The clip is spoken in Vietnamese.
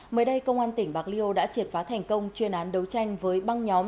mới đây công an tỉnh bạc liêu đã triệt phá thành công chuyên án đấu tranh với băng nhóm